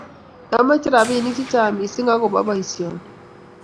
Kimache ropinik chechang mising akopo boisioni